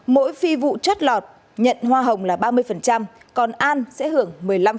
mỗi phi vụ chất lọt nhận hoa hồng là ba mươi còn an sẽ hưởng một mươi năm